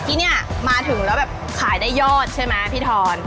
ที่นี่มาถึงแล้วแบบขายได้ยอดใช่ไหมพี่ทอน